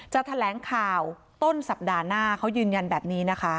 แถลงข่าวต้นสัปดาห์หน้าเขายืนยันแบบนี้นะคะ